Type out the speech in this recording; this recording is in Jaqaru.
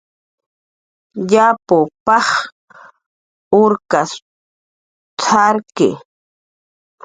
"Yapw paj urkas t""arki"